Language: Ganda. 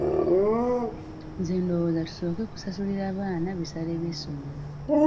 Nze ndowooza tusooke kusasulira baana bisale by'essomero.